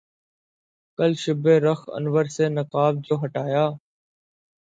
کل شب رخ انور سے نقاب جو ہٹایا